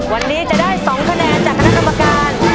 วันนี้จะได้๒คะแนนจากคณะกรรมการ